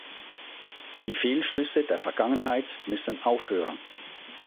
Die Fehlschlüsse der Vergangenheit müssen aufhören.